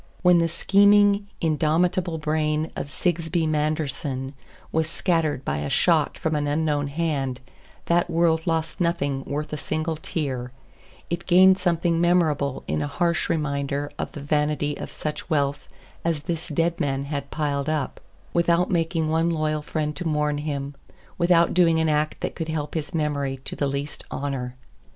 When the scheming, indomitable brain of Sigsbee Manderson was scattered by a shot from an unknown hand, that world lost nothing worth a single tear; it gained something memorable in a harsh reminder of the vanity of such wealth as this dead man had piled up without making one loyal friend to mourn him, without doing an act that could help his memory to the least honor.